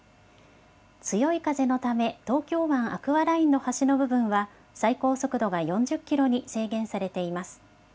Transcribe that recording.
強い風のため、東京湾アクアラインの橋の部分は、最高速度が４０キロに制限されています。